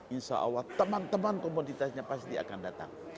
insya allah teman teman komoditasnya pasti akan datang